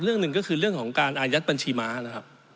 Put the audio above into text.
เรื่องหนึ่งก็คือเรื่องของการอายัดบัญชีม้านะครับ